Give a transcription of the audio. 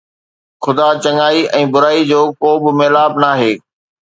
خدا، چڱائي ۽ برائي جو ڪو به ميلاپ ناهي.